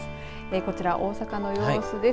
こちら、大阪の様子です。